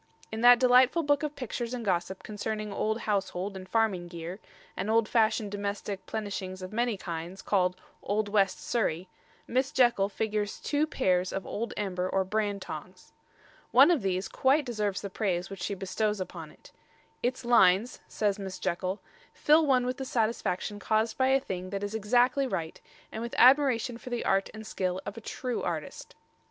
In that delightful book of pictures and gossip concerning old household and farming gear, and old fashioned domestic plenishings of many kinds, called "Old West Surrey," Miss Jekyll figures two pairs of old ember or brand tongs. One of these quite deserves the praise which she bestows upon it. "Its lines," says Miss Jekyll, "fill one with the satisfaction caused by a thing that is exactly right, and with admiration for the art and skill of a true artist."